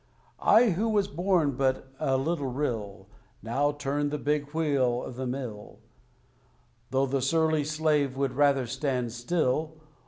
I, who was born but a little rill, Now turn the big wheel of the mill, Though the surly slave would rather stand still.